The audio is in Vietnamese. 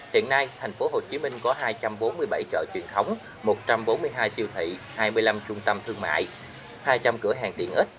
hiện nay tp hcm có hai trăm bốn mươi bảy chợ truyền thống một trăm bốn mươi hai siêu thị hai mươi năm trung tâm thương mại hai trăm linh cửa hàng tiện ích